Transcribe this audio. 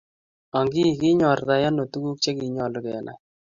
Ang ii, kinyortai ano tukuk chekinyolu kenai